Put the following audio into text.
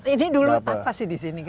ini dulu tak pasti disini